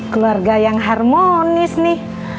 keluarga yang harmonis nih